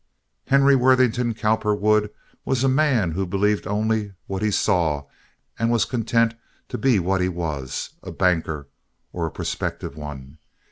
Henry Worthington Cowperwood was a man who believed only what he saw and was content to be what he was—a banker, or a prospective one.